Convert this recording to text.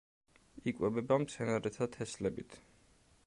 იკვებება მცენარეთა თესლებით.